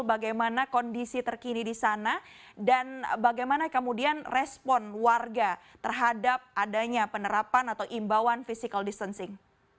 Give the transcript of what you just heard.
bagaimana kondisi terkini di sana dan bagaimana kemudian respon warga terhadap adanya penerapan atau imbauan physical distancing